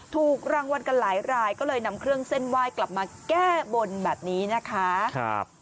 ถูกรางวัลกันหลายรายก็เลยนำเครื่องเส้นไหว้กลับมาแก้บนแบบนี้นะคะ